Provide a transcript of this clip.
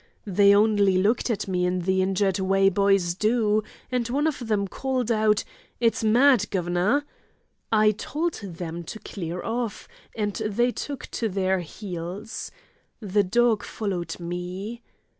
They only looked at me in the injured way boys do, and one of them called out, 'It's mad, guv'nor!' I told them to clear off, and they took to their heels. The dog followed me.